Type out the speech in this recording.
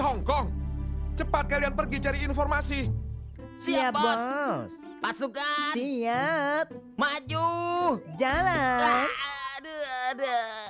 hongkong cepat kalian pergi cari informasi siabang masukkan siap maju jalan ada ada